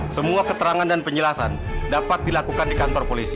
semua keterangan dan penjelasan dapat dilakukan di kantor polisi